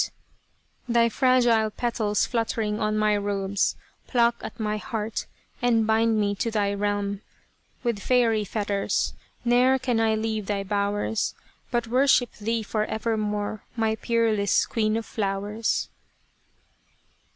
A Cherry Flower Idyll Thy fragile petals fluttering on my robes Pluck at my heart, and bind me to thy realm With fairy fetters ne'er can I leave thy bowers But worship thee for evermore, my peerless Queen of Flowers